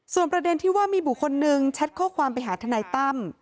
ส่วนประเด็นที่ว่ามีบุคคลนึงแชทข้อความไปหาทนายตั้ม